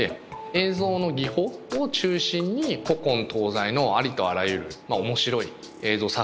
映像の技法を中心に古今東西のありとあらゆる面白い映像作品を見せたり。